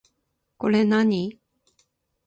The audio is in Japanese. これ何